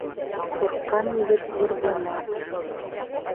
Ҡурҡҡан егет ир булмаҫ.